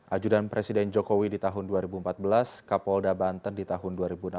ajudan presiden jokowi di tahun dua ribu empat belas kapolda banten di tahun dua ribu enam belas